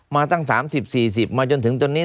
มาตั้ง๓๐๔๐มาจนถึงจนนี้